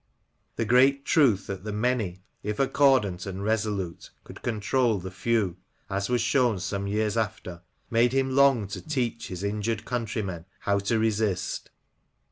The great truth that the many, if accordant and resolute, could control the few, as was shown some years after, made him long to teach his injured countrymen how to resist.